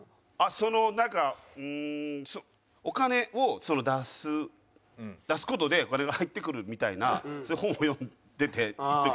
そのなんかうんお金を出す事でお金が入ってくるみたいなそういう本を読んでて一時。